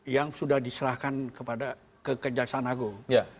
yang sudah diserahkan kepada kekejaksana agung